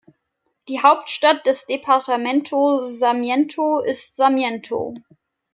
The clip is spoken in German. Die Hauptstadt des Departamento Sarmiento ist Sarmiento.